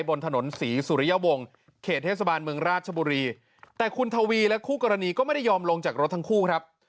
บนถนนศรีสุริยวงศ์เขตเทศบาลเมืองราชบุรีแต่คุณทวีและคู่กรณีก็ไม่ได้ยอมลงจากรถทั้งคู่ครับ